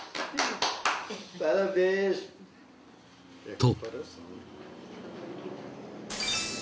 ［と］